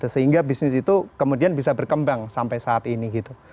sehingga bisnis itu kemudian bisa berkembang sampai saat ini gitu